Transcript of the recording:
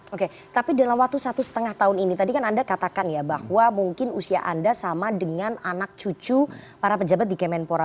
oke tapi dalam waktu satu setengah tahun ini tadi kan anda katakan ya bahwa mungkin usia anda sama dengan anak cucu para pejabat di kemenpora